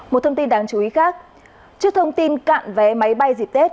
một thông tin đáng chú ý khác trước thông tin cạn vé máy bay dịp tết